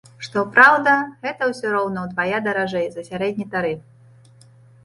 Што праўда, гэта ўсё роўна ўдвая даражэй за сярэдні тарыф.